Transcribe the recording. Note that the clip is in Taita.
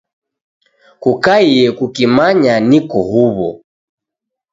Kukaiye kukimanya niko huw'o.